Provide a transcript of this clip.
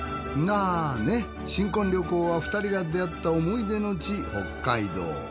あね新婚旅行は２人が出会った思い出の地北海道。